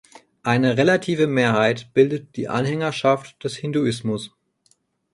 Eine relative Mehrheit bildet die Anhängerschaft des Hinduismus.